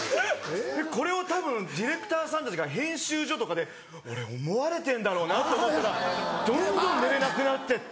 これをたぶんディレクターさんたちが編集所とかで俺思われてんだろうなと思ったらどんどん寝れなくなってって。